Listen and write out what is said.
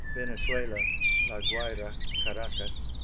Venezuela, La Guayra, Caracas.